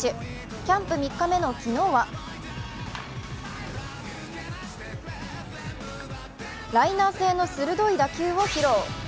キャンプ３日目の昨日はライナー性の鋭い打球を披露。